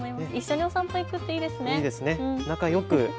一緒にお散歩行くっていいですね。